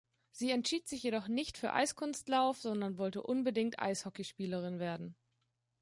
Sie entschied sich jedoch nicht für Eiskunstlauf, sondern wollte unbedingt Eishockeyspielerin werden.